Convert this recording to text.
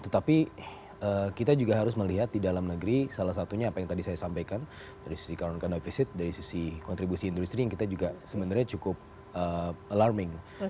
tetapi kita juga harus melihat di dalam negeri salah satunya apa yang tadi saya sampaikan dari sisi currencane deficit dari sisi kontribusi industri yang kita juga sebenarnya cukup alarming